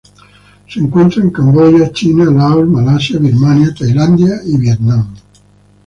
Se encuentra en Camboya, China, Laos, Malasia, Birmania, Tailandia y Vietnam.